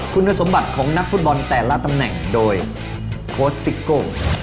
คุณสมบัติของนักฟุตบอลแต่ละตำแหน่งโดยโค้ชซิโก้